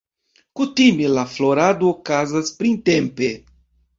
Kutime la florado okazas printempe.